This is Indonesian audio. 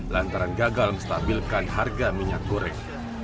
lantaran gagal menstabilkan harga minyak goreng